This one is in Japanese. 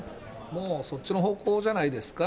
もうそっちの方向じゃないですか。